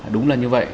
đúng là như vậy